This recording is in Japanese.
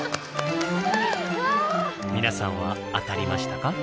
皆さんは当たりましたか？